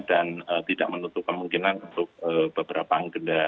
dan tidak menutup kemungkinan untuk beberapa agenda agenda